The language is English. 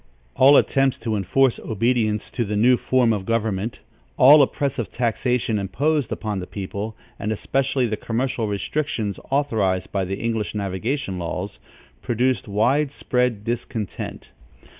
All attempts to enforce obedience to the new form of government, all oppressive taxation imposed upon the people, and especially the commercial restrictions authorized by the English navigation laws, produced wide spread discontent.